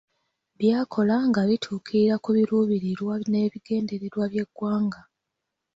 By'akola nga bituukira ku biruubirirwa n’ebigendererwa by’eggwanga.